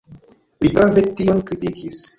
Li prave tion kritikis.